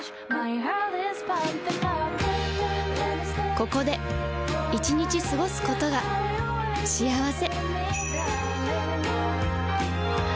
ここで１日過ごすことが幸せ